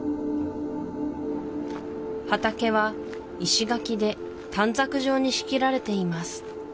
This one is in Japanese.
畑は石垣で短冊状に仕切られています